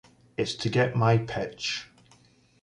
It's to get my pitch.